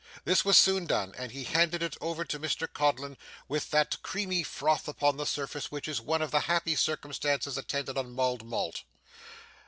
This was soon done, and he handed it over to Mr Codlin with that creamy froth upon the surface which is one of the happy circumstances attendant on mulled malt.